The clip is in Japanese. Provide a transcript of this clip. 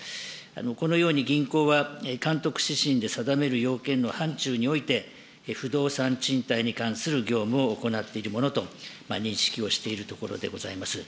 このように銀行は、監督指針で定める要件の範ちゅうにおいて、不動産賃貸に関する業務を行っているものと認識をしているところでございます。